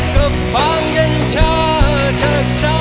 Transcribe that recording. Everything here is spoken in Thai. กับความเย็นชาติจากฉัน